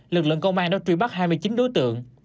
lực lượng công an đã truy bắt hai mươi chín đối tượng